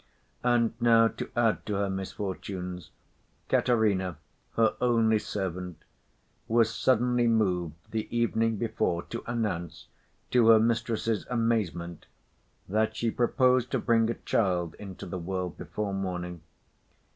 And now, to add to her misfortunes, Katerina, her only servant, was suddenly moved the evening before to announce, to her mistress's amazement, that she proposed to bring a child into the world before morning.